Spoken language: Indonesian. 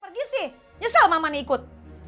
pergi sih nyesel mama nih ikut